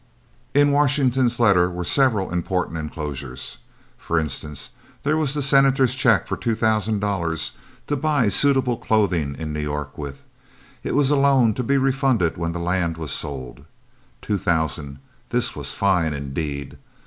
In Washington's letter were several important enclosures. For instance, there was the Senator's check for $2,000 "to buy suitable clothing in New York with!" It was a loan to be refunded when the Land was sold. Two thousand this was fine indeed.